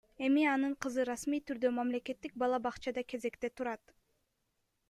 Эми анын кызы расмий түрдө мамлекеттик бала бакчада кезекте турат.